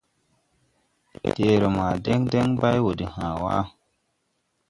Deere ma dɛŋ dɛŋ bay wo de haa wa.